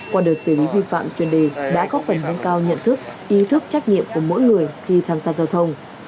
qua đợt xử lý vi phạm chuyên đề đã có phần nâng cao nhận thức ý thức trách nhiệm của mỗi người khi tham gia giao thông